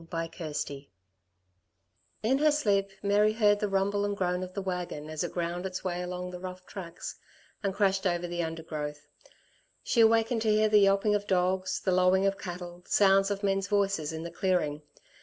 CHAPTER VI In her sleep Mary heard the rumble and groan of the wagon as it ground its way along the rough tracks and crashed over the undergrowth. She awakened to hear the yelping of dogs, the lowing of cattle, sounds of men's voices in the clearing.